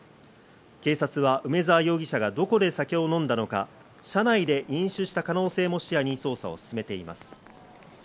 警察は梅沢容疑者がどこで酒を飲んだのか、車内で飲酒した可能性も視野に捜査を進めています。